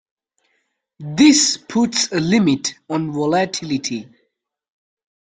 This puts a limit on volatility.